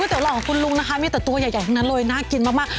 เตี๋หล่อของคุณลุงนะคะมีแต่ตัวใหญ่ทั้งนั้นเลยน่ากินมาก